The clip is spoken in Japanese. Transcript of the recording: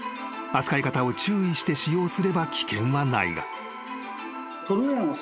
［扱い方を注意して使用すれば危険はないが］